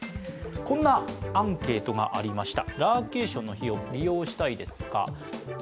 こんなアンケートがありました。